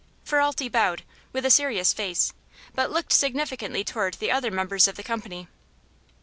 Ferralti bowed, with a serious face, but looked significantly toward the other members of the company.